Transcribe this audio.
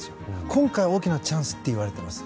今回、大きなチャンスといわれています。